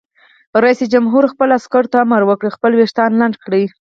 رئیس جمهور خپلو عسکرو ته امر وکړ؛ خپل ویښتان لنډ کړئ!